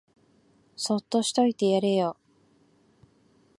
そっとしといてやれよ